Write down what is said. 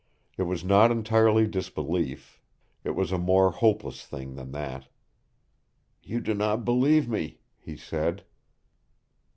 It was not entirely disbelief. It was a more hopeless thing than that. "You do not believe me!" he said.